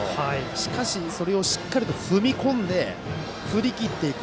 しかしそれをしっかり踏み込んで振り切っていく。